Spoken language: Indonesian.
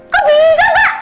kok bisa mbak